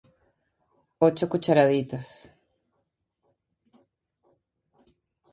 ocho cucharaditas